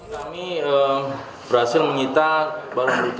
kami berhasil mengita barang putih